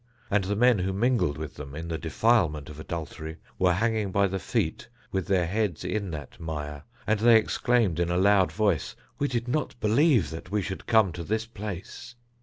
And the men who mingled with them in the defilement of adultery, were hanging by the feet with their heads in that mire, and they exclaimed in a loud voice: We did not believe that we should come to this place.